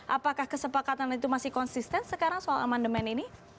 apakah kesepakatan itu masih konsisten sekarang soal amandemen ini